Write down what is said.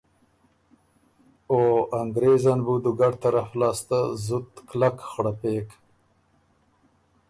او انګرېزن بُو دُوګډ طرف لاسته زُت کلک خړپېک،